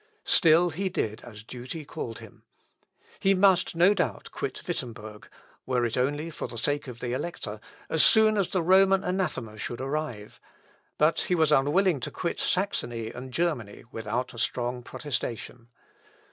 Still he did as duty called him. He must, no doubt, quit Wittemberg (were it only for the sake of the Elector) as soon as the Roman anathema should arrive; but he was unwilling to quit Saxony and Germany without a strong protestation.